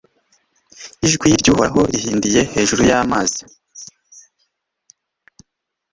Ijwi ry’Uhoraho rihindiye hejuru y’amazi